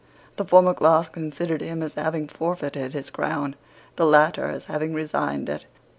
The former class considered him as having forfeited his crown; the latter as having resigned it.